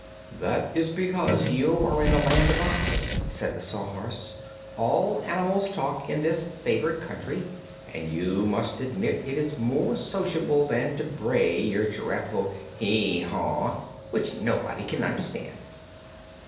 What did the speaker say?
"That is because you are in the Land of Oz," said the Sawhorse. "All animals talk, in this favored country, and you must admit it is more sociable than to bray your dreadful 'hee haw,' which nobody can understand."